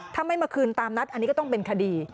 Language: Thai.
ถ้าไม่มาคืนตามนัดอันนี้ก็ต้องเป็นคดี